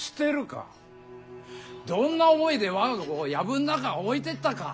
どんな思いで我が子を薮ん中置いてったか！